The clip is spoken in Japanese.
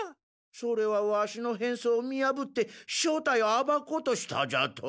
それはワシの変装を見やぶって正体をあばこうとしたじゃと？